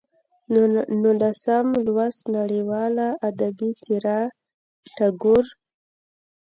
نولسم لوست: نړیواله ادبي څېره ټاګور